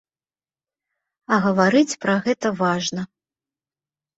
А гаварыць пра гэта важна.